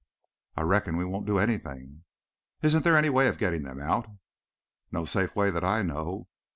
"I reckon we won't do anything." "Isn't there any way of getting them out?" "No safe way that I know.